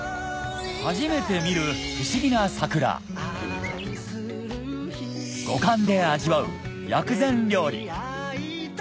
初めて見る不思議な桜五感で味わう薬膳料理